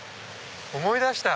思い出した。